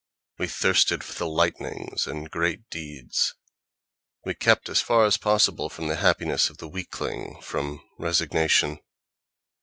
We thirsted for the lightnings and great deeds; we kept as far as possible from the happiness of the weakling, from "resignation"...